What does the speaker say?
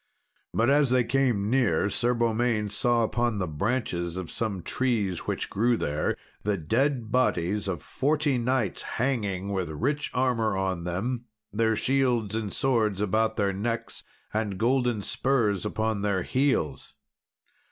But as they came near Sir Beaumains saw upon the branches of some trees which grew there, the dead bodies of forty knights hanging, with rich armour on them, their shields and swords about their necks, and golden spurs upon their heels.